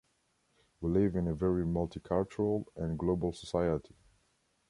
We live in a very multicultural and global society.